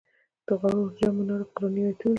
د غور جام منار قرآني آیتونه لري